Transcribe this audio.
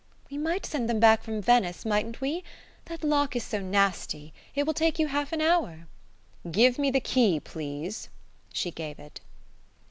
"We might send them back from Venice, mightn't we? That lock is so nasty: it will take you half an hour." "Give me the key, please." She gave it.